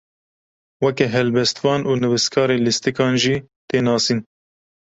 Weke helbestvan û nivîskarê lîstikan jî tê nasîn.